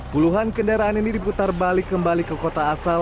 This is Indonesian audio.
puluhan kendaraan ini diputar balik kembali ke kota asal